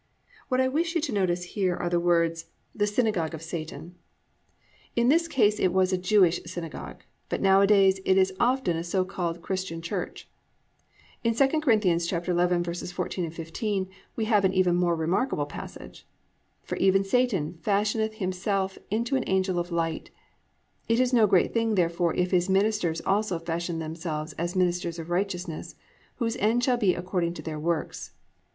"+ What I wish you to notice here are the words, "The synagogue of Satan." In this case it was a Jewish synagogue, but now a days, it is often a so called Christian church. In II Cor. 11:14, 15 we have an even more remarkable passage: +"For even Satan fashioneth himself into an angel of light. (15) It is no great thing therefore if his ministers also fashion themselves as ministers of righteousness; whose end shall be according to their works."